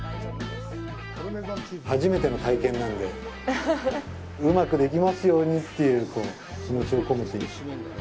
初めての体験なので、うまくできますようにという気持ちを込めて。